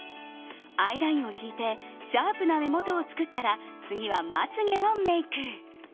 アイラインを引いてシャープな目元を作ったら次はまつ毛をメイク。